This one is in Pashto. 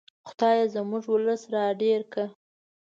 خدایه زموږ ولس را ډېر کړه.